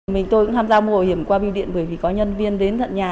mình tôi cũng tham gia mua bảo hiểm qua biểu điện bởi vì có nhân viên đến tận nhà